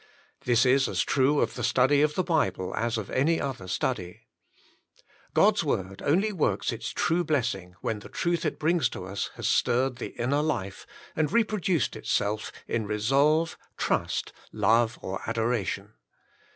This is as true of the study of the Bible, as of any other study. God's Word only works its true blessing when the truth it brings to us has stirred the in ner life, and reproduced itself in resolve, trust, love, or adoration.